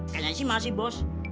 kayaknya sih masih bos